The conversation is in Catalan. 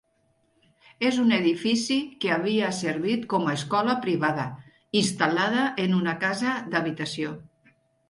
És un edifici que havia servit com a escola privada, instal·lada en una casa d'habitació.